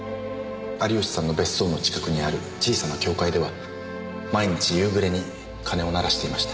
有吉さんの別荘の近くにある小さな教会では毎日夕暮れに鐘を鳴らしていました。